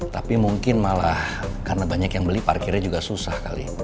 tapi mungkin malah karena banyak yang beli parkirnya juga susah kali